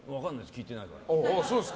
聞いてないから。